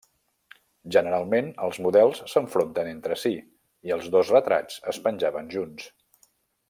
Generalment els models s'enfronten entre si, i els dos retrats es penjaven junts.